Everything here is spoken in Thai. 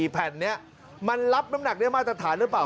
แผ่นนี้มันรับน้ำหนักได้มาตรฐานหรือเปล่า